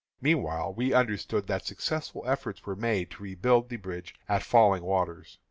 Meantime we understood that successful efforts were made to rebuild the bridge at Falling Waters.